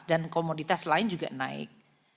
dan komoditas lain juga naik